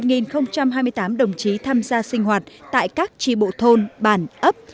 hiện có ba trăm linh tám đồng chí tham gia sinh hoạt tại các tri bộ thôn bản ấp